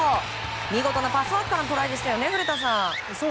見事なパスワークからのトライでしたね、古田さん。